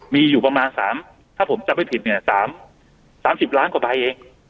มีอยู่ประมาณสามถ้าผมจับไม่ผิดเนี่ยสามสามสิบล้านกว่าไปเอง